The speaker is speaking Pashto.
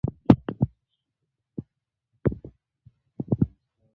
د افغانستان د اقتصادي پرمختګ لپاره پکار ده چې قابله ګانې وي.